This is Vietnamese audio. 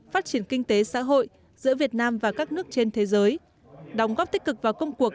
phát triển kinh tế xã hội giữa việt nam và các nước trên thế giới đóng góp tích cực vào công cuộc